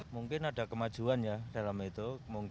mungkin ada kemajuan ya dalam itu